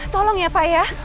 tolong ya pak ya